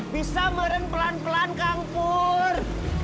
bisa mereng pelan pelan kang pur